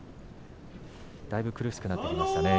だいぶ苦しくなってきましたね。